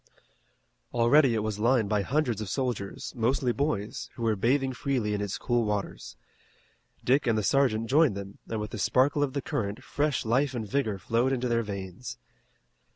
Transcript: Already it was lined by hundreds of soldiers, mostly boys, who were bathing freely in its cool waters. Dick and the sergeant joined them and with the sparkle of the current fresh life and vigor flowed into their veins.